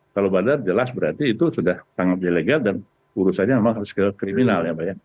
kalau bandar jelas berarti itu sudah sangat ilegal dan urusannya memang harus ke kriminal ya mbak ya